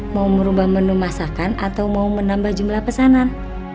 mau merubah menu masakan atau mau menambah jumlah pesanan